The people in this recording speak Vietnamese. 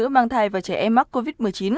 mang thai và trẻ em mắc covid một mươi chín